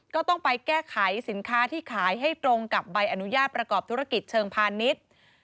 ก็ต้องไปแก้ไขสินค้าที่ขายให้ตรงกับใบอนุญาตประกอบธุรกิจเชิงพาณิชย์